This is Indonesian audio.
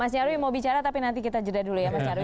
mas nyarwi mau bicara tapi nanti kita jeda dulu ya mas nyarwi